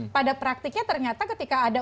pada praktiknya ternyata ketika ada